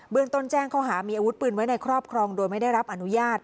เมืองต้นแจ้งข้อหามีอาวุธปืนไว้ในครอบครองโดยไม่ได้รับอนุญาต